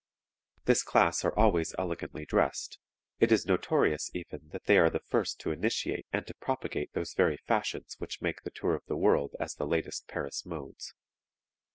This class are always elegantly dressed; it is notorious even that they are the first to initiate and to propagate those very fashions which make the tour of the world as the latest Paris modes.